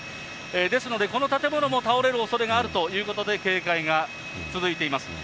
ですので、この建物も倒れるおそれがあるということで、警戒が続いています。